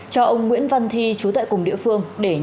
cho ông nguyễn văn thi chú tại cổng